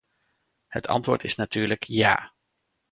Het antwoord is natuurlijk "ja".